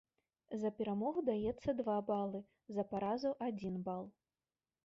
За перамогу даецца два балы, за паразу адзін бал.